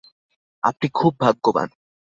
আপনি খুব ভাগ্যবান।